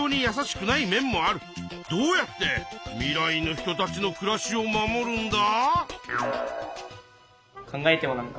どうやって未来の人たちの暮らしを守るんだ？